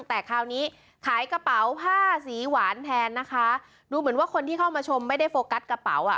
แต่คราวนี้ขายกระเป๋าผ้าสีหวานแทนนะคะดูเหมือนว่าคนที่เข้ามาชมไม่ได้โฟกัสกระเป๋าอ่ะ